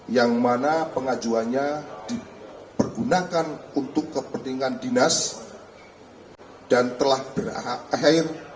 yang mana pengajuannya dipergunakan untuk kepentingan dinas dan telah berakhir